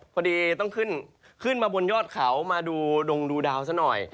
พอดีต้องขึ้นขึ้นมาบนยอดเขามาดูดงดูดาวซะหน่อย